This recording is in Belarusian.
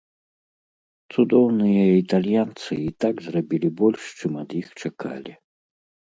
Цудоўныя італьянцы і так зрабілі больш, чым ад іх чакалі.